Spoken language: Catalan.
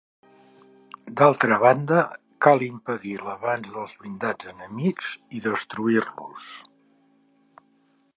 D'altra banda, cal impedir l'avanç dels blindats enemics i destruir-los.